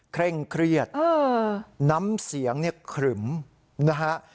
เคร่งเครียดน้ำเสียงเนี่ยขรึมนะฮะ